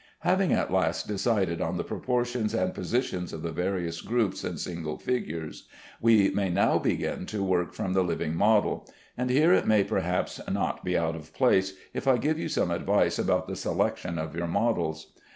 Having at last decided on the proportions and positions of the various groups and single figures, we may now begin to work from the living model; and here it may perhaps not be out of place if I give you some advice about the selection of your models.